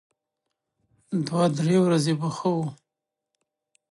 دوه درې ورځې به ښه و.